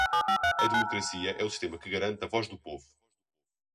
A democracia é o sistema que garante a voz do povo.